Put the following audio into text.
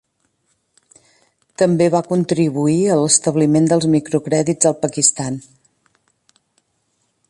També va contribuir a l'establiment dels microcrèdits al Pakistan.